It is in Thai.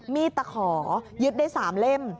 ตะขอยึดได้๓เล่ม